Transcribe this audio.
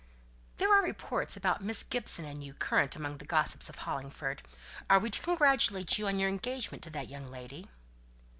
"There are reports about Miss Gibson and you current among the gossips of Hollingford. Are we to congratulate you on your engagement to that young lady?"